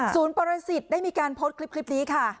ศูนย์ปรสิทธิ์ได้มีการพดคลิปนี้ค่ะ